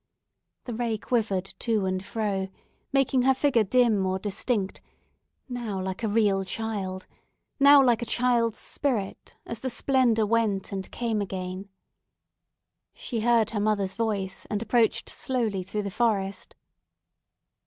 The ray quivered to and fro, making her figure dim or distinct—now like a real child, now like a child's spirit—as the splendour went and came again. She heard her mother's voice, and approached slowly through the forest.